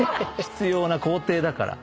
必要な工程だから。